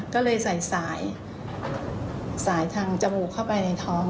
ก็เลยใส่สายสายทางจมูกเข้าไปในท้อง